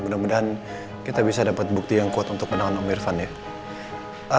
mudah mudahan kita bisa dapat bukti yang kuat untuk menangani irfan ya